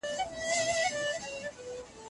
ولور اداکړئ، سوغاتونه مه وروړئ.